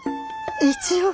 一応。